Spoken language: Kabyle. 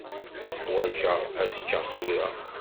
Ḥwaǧeɣ ad ččeɣ tura.